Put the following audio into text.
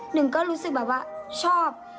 หนึ่งก็รู้สึกแบบว่าชอบ